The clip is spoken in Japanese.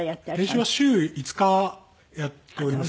練習は週５日やっております。